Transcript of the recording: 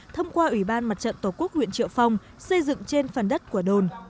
thông qua ủy ban mặt trận tổ quốc huyện triệu phong xây dựng trên phần đất của đồn